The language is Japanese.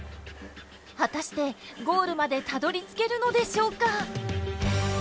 果たしてゴールまでたどりつけるのでしょうか！？